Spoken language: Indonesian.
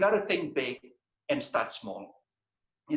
anda harus berpikir besar dan mulai kecil